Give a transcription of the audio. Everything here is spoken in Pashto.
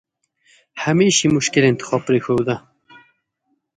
همېش یې مشکل انتخاب پرېښوده.